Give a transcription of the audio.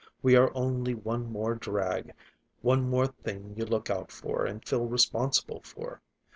We are only one more drag, one more thing you look out for and feel responsible for.